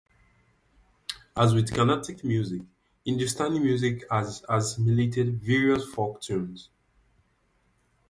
As with Carnatic music, Hindustani music has assimilated various folk tunes.